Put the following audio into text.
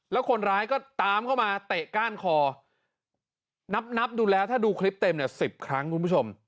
แล้วคนร้ายก็ตามเข้ามาเตะก้านคอนับนับดูแล้วถ้าดูคลิปเต็มเนี่ย๑๐ครั้งคุณผู้ชม